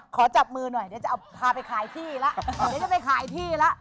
ขอจับมือหน่อยเดี๋ยวจะเอาพาไปขายที่ละ